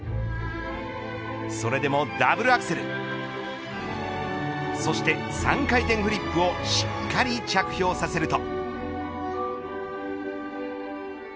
それでもダブルアクセルそして３回転フリップをしっかり着氷させると。